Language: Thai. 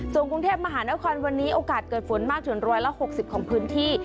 ส่วนกรุงเทพมหานครวันนี้โอกาสเกิดฝนมากถึง๑๖๐ของพื้นที่